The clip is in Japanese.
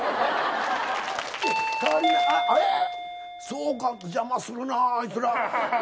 そうか邪魔するなぁあいつら。